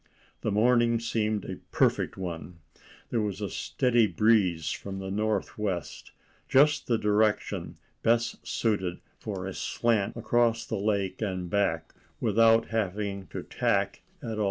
The morning seemed a perfect one. There was a steady breeze from the north west, just the direction best suited for a slant across the lake and back without having to tack at all.